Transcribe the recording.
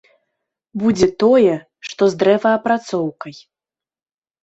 Будзе тое, што з дрэваапрацоўкай.